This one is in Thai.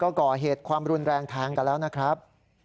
ก็ก่อเหตุความรุนแรงแทงกันแล้วนะครับ